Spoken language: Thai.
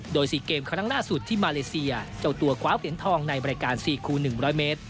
โดย๔เกมครั้งล่าสุดที่มาเลเซียเจ้าตัวคว้าเหรียญทองในบริการ๔คูณ๑๐๐เมตร